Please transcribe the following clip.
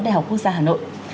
đại học quốc gia hà nội